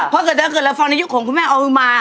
เพราะถ้าเกิดละฟองในยุคของคุณแม่เอามา